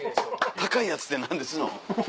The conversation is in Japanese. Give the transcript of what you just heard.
高いやつって何ですの？